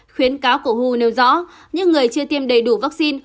khuyến cáo của hu nêu rõ những người chưa tiêm đầy đủ vaccine